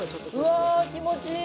うわ気持ちいい！